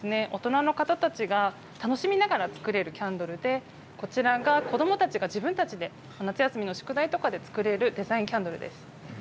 大人の方たちが楽しみながら作れるキャンドルで、こちらが子どもたちが自分たちで夏休みの宿題とかで作れるデザインキャンドルです。